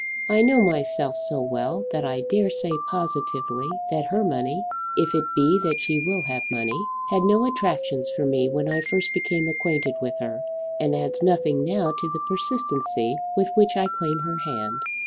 I know myself so well that I dare say positively that her money, if it be that she will have money, had no attractions for me when I first became acquainted with her, and adds nothing now to the persistency with which I claim her hand.